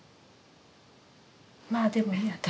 まあでもね